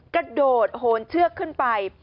กระโดดโหนเชือกขึ้นไป